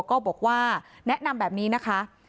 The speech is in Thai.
ก็บอกว่าแนะนำแบบนี้นะคะ